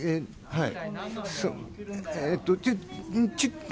はい。